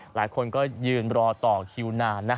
หลายคนก็ยืนรอต่อคิวนานนะ